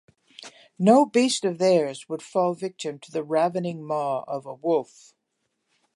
No beast of theirs would fall victim to the ravening maw of a wolf.